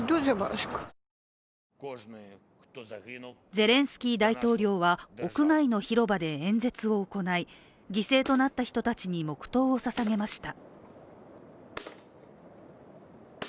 ゼレンスキー大統領は屋外の広場で演説を行い犠牲となった人たちに黙とうをささげました。